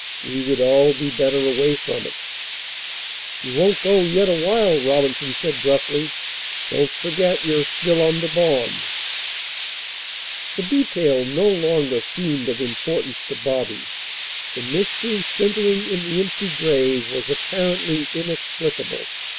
We would all be better away from it." "You won't go yet awhile," Robinson said gruffly. "Don't forget you're still under bond." The detail no longer seemed of importance to Bobby. The mystery, centreing in the empty grave, was apparently inexplicable.